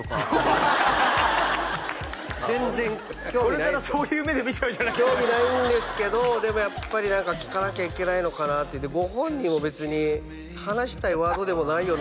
これからそういう目で見ちゃう興味ないんですけどでもやっぱり何か聞かなきゃいけないのかなってご本人も別に話したいワードでもないよなとか